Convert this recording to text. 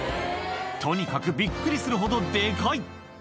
とにかくびっくりするほどでかい。